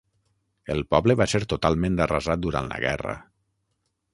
El poble va ser totalment arrasat durant la guerra.